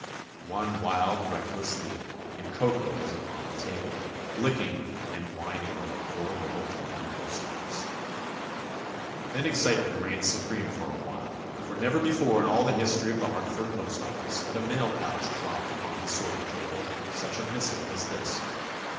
One wild, reckless leap, and Koko was upon the table, licking and whin ing over poor little Tommy Postofficc. Then excitement reigned supreme for a while, for never before in all the history of the Hartford postofBce had 34 TOMMY POSTOFFICE a mail pouch dropped upon the sort ing table such a missive as this.